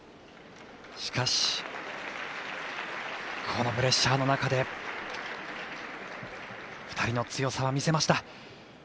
しかし、このプレッシャーの中で２人の強さは見せました。